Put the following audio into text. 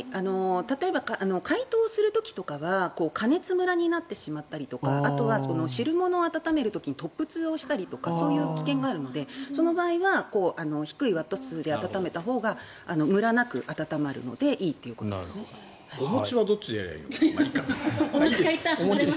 例えば解凍する時とかは加熱むらになったり汁物を温める時に突沸をしたりとかそういう危険があるのでその場合は低いワット数で温めたほうがむらなく温まるのでお餅はどっちがいいの？